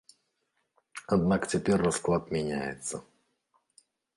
Аднак цяпер расклад мяняецца.